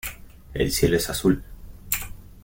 El cielo es azul.